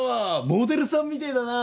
モデルさんみてえだなぁ。